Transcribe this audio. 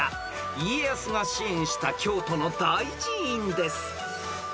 ［家康が支援した京都の大寺院です］